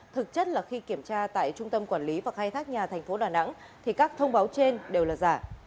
thực chất là khi kiểm tra tại trung tâm quản lý và khai thác nhà thành phố đà nẵng thì các thông báo trên đều là giả